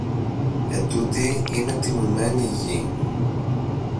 Ετούτη είναι τιμημένη γη.